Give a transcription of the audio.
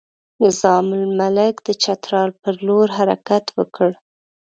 نظام الملک د چترال پر لور حرکت وکړ.